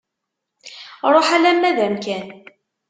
Ruḥ alamma d amkan.